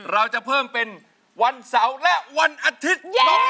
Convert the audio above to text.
เราจะเพิ่มเป็นวันเสาร์และวันอาทิตย์ลงวันเลยนะครับ